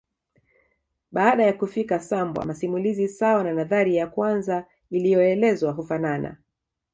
Baada ya kufika Sambwa masimulizi sawa na nadhari ya kwanza iliyoelezwa hufanana